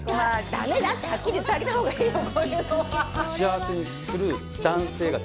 駄目だってはっきり言ってあげた方がいいよ！